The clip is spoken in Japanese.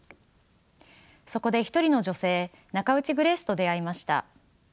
そこで一人の女性ナカウチ・グレースと出会いました。